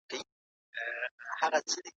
ولي زیارکښ کس د مستحق سړي په پرتله برخلیک بدلوي؟